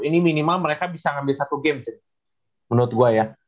ini minimal mereka bisa ngambil satu game jadi menurut gue ya